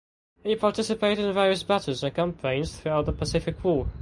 He participated in various battles and campaigns throughout the Pacific War.